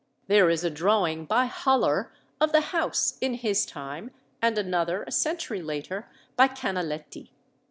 There is a drawing by Hollar of the house in his time, and another, a century later, by Canaletti.